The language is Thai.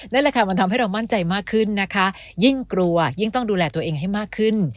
นั่นแหละค่ะมันทำให้เรามั่นใจมากขึ้นนะคะยิ่งกลัวยิ่งต้องดูแลตัวเองให้มากขึ้น